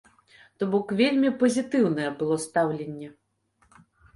То бок вельмі пазітыўнае было стаўленне.